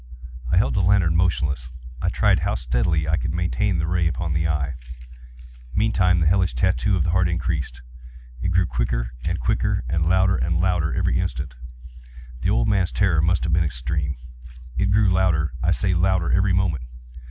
I held the lantern motionless. I tried how steadily I could maintain the ray upon the eve. Meantime the hellish tattoo of the heart increased. It grew quicker and quicker, and louder and louder every instant. The old man's terror must have been extreme! It grew louder, I say, louder every moment!